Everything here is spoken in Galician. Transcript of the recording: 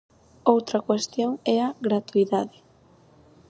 Outra cuestión é a gratuidade.